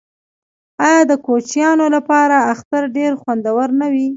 آیا د کوچنیانو لپاره اختر ډیر خوندور نه وي؟